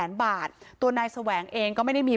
พระเจ้าที่อยู่ในเมืองของพระเจ้า